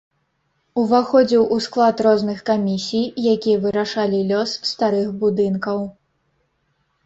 Уваходзіў у склад розных камісій, якія вырашалі лёс старых будынкаў.